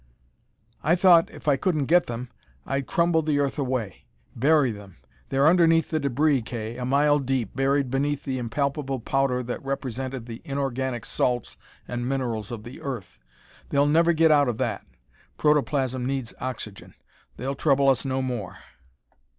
"I thought, if I couldn't get them, I'd crumble the earth away bury them. They're underneath the debris, Kay, a mile deep, buried, beneath the impalpable powder that represented the inorganic salts and minerals of the earth. They'll never get out of that. Protoplasm needs oxygen. They'll trouble us no more.